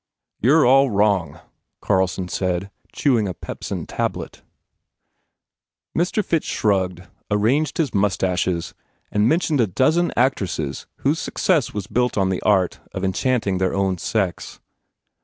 "You re all wrong," Carlson said, chewing a pepsin tablet. Mr. Fitch shrugged, arranged his moustaches and mentioned a dozen actresses whose success was built on the art of enchanting their own sex.